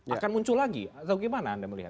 akan muncul lagi atau gimana anda melihat